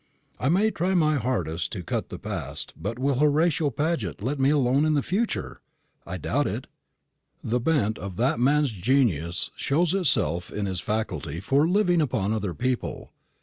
I may try my hardest to cut the past, but will Horatio Paget let me alone in the future? I doubt it. The bent of that man's genius shows itself in his faculty for living upon other people.